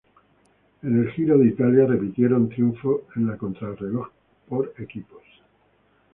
En el Giro de Italia, repitieron triunfo en la contrarreloj por equipos.